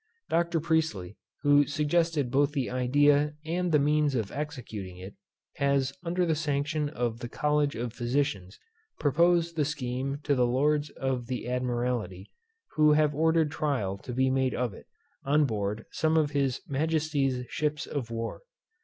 Dr. Priestley, who suggested both the idea and the means of executing it, has under the sanction of the College of Physicians, proposed the scheme to the Lords of the Admiralty, who have ordered trial to be made of it, on board some of his Majesty's ships of war.